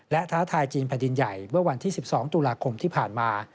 และท้าทายจีนแผ่นดินใหญ่เมื่อวันที่๑๒ตุลาคมที่ผ่านมา